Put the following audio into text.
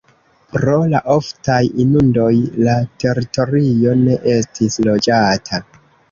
Pro la oftaj inundoj la teritorio ne estis loĝata.